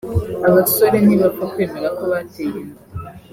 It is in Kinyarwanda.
Abasore ntibapfa kwemera ko bateye inda